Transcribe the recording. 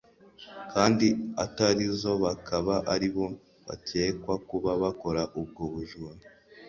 kandi atari zo bakaba ari bo bakekwa kuba bakora ubwo bujura